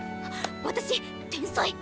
私天才！